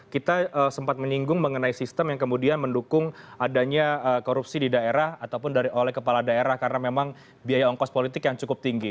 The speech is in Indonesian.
kita sempat menyinggung mengenai sistem yang kemudian mendukung adanya korupsi di daerah ataupun oleh kepala daerah karena memang biaya ongkos politik yang cukup tinggi